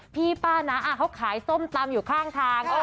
พี่ป้านะเขาขายส้มตำอยู่ข้างทาง